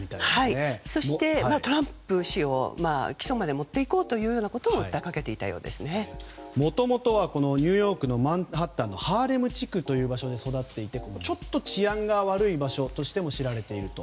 そして、トランプ氏を起訴まで持っていこうということをもともとはニューヨークのマンハッタンのハーレム地区というところで育っていてちょっと治安が悪い場所としても知られていると。